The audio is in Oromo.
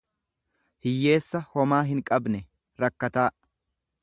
Hiyyeessa homaa hinqabne, .rakkataa.